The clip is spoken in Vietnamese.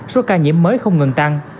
số ca nhiễm mới không ngừng tăng